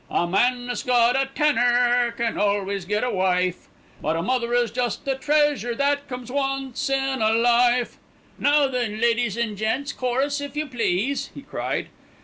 A man that's got a tanner, can always get a wife, But a mother is just a treasure that comes once in a life. "Now then, ladies and gents, chorus if you please," he cried.